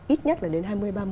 ít nhất là đến hai nghìn ba mươi